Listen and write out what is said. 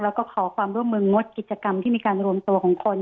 แล้วก็ขอความร่วมมืองดกิจกรรมที่มีการรวมตัวของคน